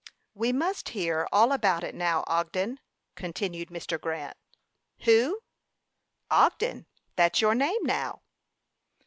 "We must hear all about it now, Ogden," continued Mr. Grant. "Who?" "Ogden; that's your name now."